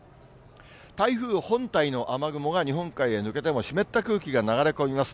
台風本体の雨雲が日本海へ抜けても湿った空気が流れ込みます。